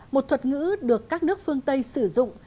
một thuật ngữ được các nước phương tây sử dụng